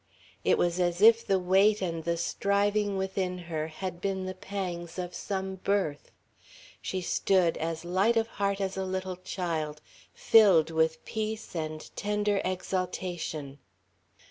It was as if the weight and the striving within her had been the pangs of some birth. She stood, as light of heart as a little child, filled with peace and tender exaltation.